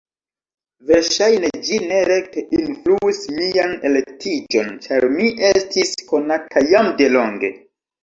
Verŝajne ĝi ne rekte influis mian elektiĝon, ĉar mi estis konata jam de longe.